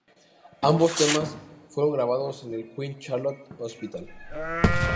Ambos temas fueron grabados en el Queen Charlotte Hospital.